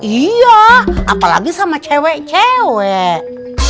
iya apalagi sama cewek cewek